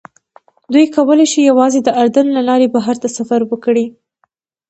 دوی کولی شي یوازې د اردن له لارې بهر ته سفر وکړي.